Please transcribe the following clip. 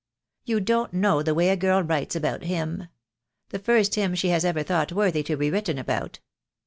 You don't know the way a girl writes about him; the first him she has ever thought worthy to be written about.